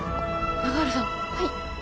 はい